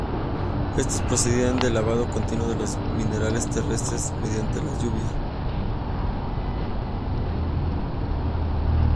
Estos procedían del lavado continuo de los minerales terrestres mediante la lluvia.